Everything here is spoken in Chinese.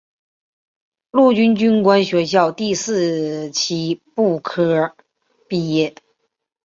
陆军军官学校第四期步科毕业。